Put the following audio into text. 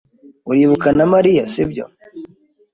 Uribuka na Mariya, sibyo?